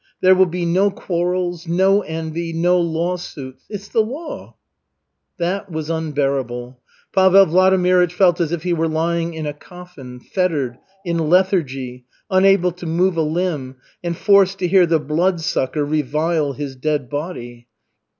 There will be no quarrels, no envy, no lawsuits. It's the law." That was unbearable. Pavel Vladimirych felt as if he were lying in a coffin, fettered, in lethargy, unable to move a limb, and forced to hear the Bloodsucker revile his dead body.